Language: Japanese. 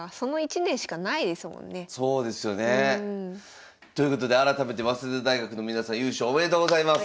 そうですよね。ということで改めて早稲田大学の皆さん優勝おめでとうございます。